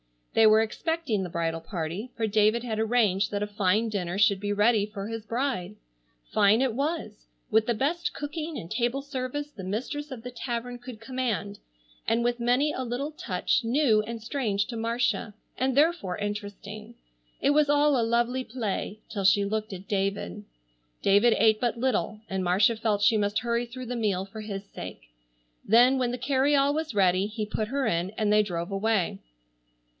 They were expecting the bridal party, for David had arranged that a fine dinner should be ready for his bride. Fine it was, with the best cooking and table service the mistress of the tavern could command, and with many a little touch new and strange to Marcia, and therefore interesting. It was all a lovely play till she looked at David. David ate but little, and Marcia felt she must hurry through the meal for his sake. Then when the carryall was ready he put her in and they drove away.